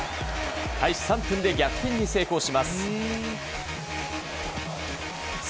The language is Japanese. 開始３分で逆転に成功します。